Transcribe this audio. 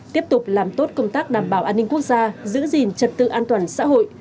tiếp tục làm tốt công tác đảm bảo an ninh quốc gia giữ gìn trật tự an toàn xã hội